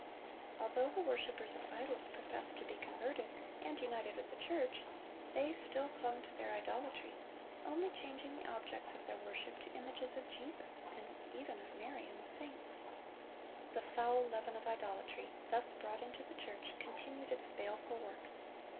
Although the worshipers of idols professed to be converted, and united with the church, they still clung to their idolatry, only changing the objects of their worship to images of Jesus, and even of Mary and the saints. The foul leaven of idolatry, thus brought into the church, continued its baleful work.